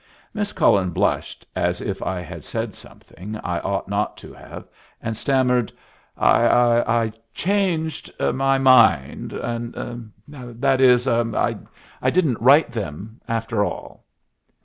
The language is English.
Miss Cullen blushed as if I had said something I ought not to have, and stammered, "I I changed my mind, and that is I didn't write them, after all."